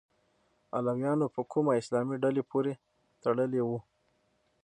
علویانو په کومه اسلامي ډلې پورې تړلي وو؟